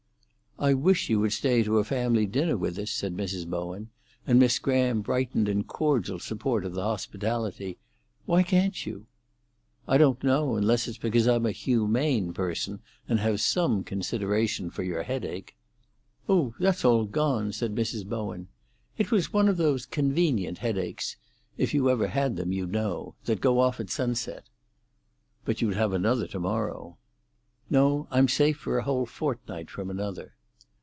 "I wish you would stay to a family dinner with us," said Mrs. Bowen, and Miss Graham brightened in cordial support of the hospitality. "Why can't you?" "I don't know, unless it's because I'm a humane person, and have some consideration for your headache." "Oh, that's all gone," said Mrs. Bowen. "It was one of those convenient headaches—if you ever had them, you'd know—that go off at sunset." "But you'd have another to morrow." "No, I'm safe for a whole fortnight from another."